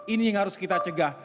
ini yang harus kita cegah